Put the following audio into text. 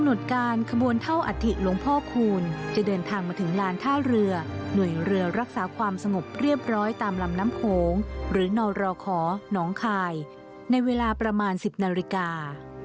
หรือนอนรอขอน้องคลายในเวลาประมาณ๑๐นาฬิกา